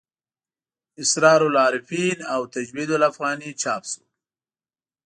اسرار العارفین او تجوید الافغاني چاپ شو.